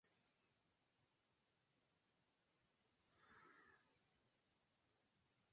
Tiene un estilo propio y no parece relacionado con la forma de trabajar italo-bizantina.